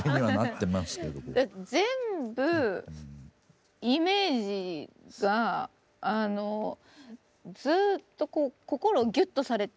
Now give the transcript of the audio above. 全部イメージがあのずっとこう心をギュッとされた曲たち。